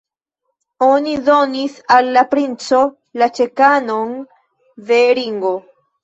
Oni donis al la princo la ĉekanon de Ringo.